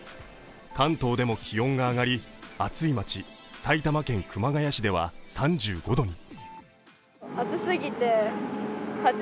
関東でも気温が上がり暑い街・埼玉県熊谷市では３５度に。